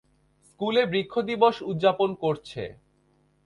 স্কুলে বৃক্ষ দিবস উদযাপন করছে।